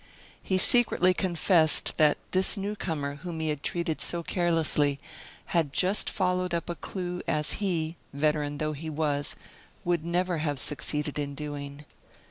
He secretly confessed that this newcomer whom he had treated so carelessly had just followed up a clue as he, veteran though he was, would never have succeeded in doing.